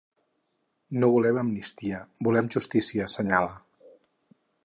No volem amnistia, volem justícia, assenyala.